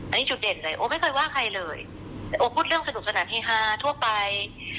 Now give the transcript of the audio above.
อันนี้จุดเด่นเลยโอไม่เคยว่าใครเลยโอพูดเรื่องสนุกสนานเฮฮาทั่วไป